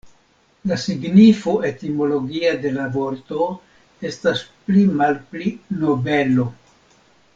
La signifo etimologia de la vorto estas pli malpli "nobelo".